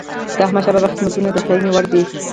د احمدشاه بابا خدمتونه د ستايني وړ دي.